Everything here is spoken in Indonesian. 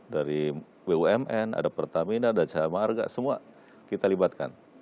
dari bumn ada pertamina ada cahamarga semua kita libatkan